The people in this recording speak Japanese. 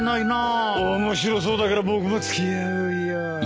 面白そうだから僕も付き合うよ。